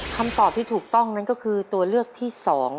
คำตอบที่ถูกต้องนั่นก็คือตัวเลือกที่๒